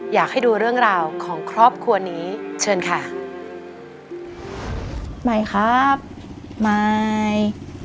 อยากให้ดูเรื่องราวของครอบครัวนี้เชิญค่ะมายครับมาย